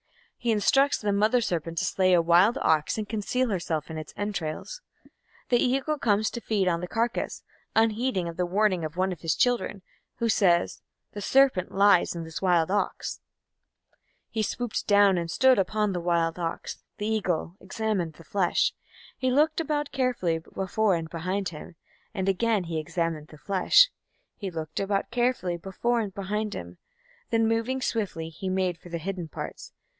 He instructs the Mother Serpent to slay a wild ox and conceal herself in its entrails. The Eagle comes to feed on the carcass, unheeding the warning of one of his children, who says, "The serpent lies in this wild ox": He swooped down and stood upon the wild ox, The Eagle ... examined the flesh; He looked about carefully before and behind him; He again examined the flesh; He looked about carefully before and behind him, Then, moving swiftly, he made for the hidden parts.